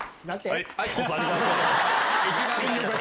はい！